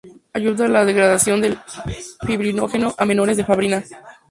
Ayuda a la degradación del fibrinógeno a monómeros de fibrina.